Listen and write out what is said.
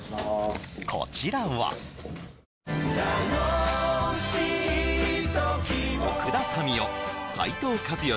こちらは楽しい時も奥田民生斉藤和義